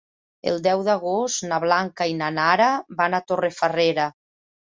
El deu d'agost na Blanca i na Nara van a Torrefarrera.